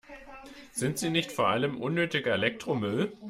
Sind sie nicht vor allem unnötiger Elektromüll?